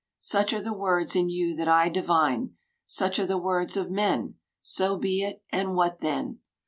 Such are the words in you that I divine. Such are the words of men. So be it, and what then?